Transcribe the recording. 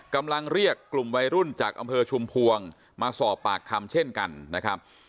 กำลังเรียกกลุ่มวัยรุ่นจากอำเภอชุมพวงมาสอบปากคำเช่นกันนะครับ